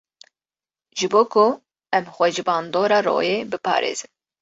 Ji bo ku em xwe ji bandora royê biparêzin.